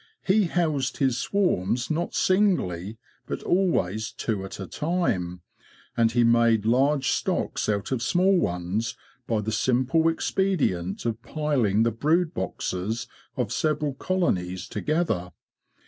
He housed his swarms not singly, but always two at a time; and he made large stocks out of small ones by the simple expedient of piling the brood boxes of several colonies together.